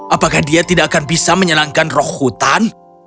apakah dia tidak akan bisa menyenangkan roh hutan